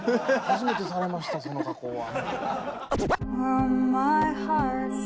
初めてされましたその加工は。